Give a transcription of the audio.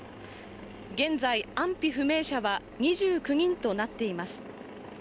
現在、安否不明者は２９人となっています。